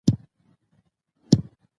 ايا تاسو کله د چکنۍ سره کورخې يا لوبيا خوړلي؟